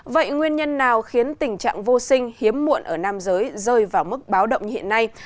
vậy nguyên nhân nào khiến tình trạng vô sinh hiếm muộn ở nam giới rơi vào mức báo động như hiện nay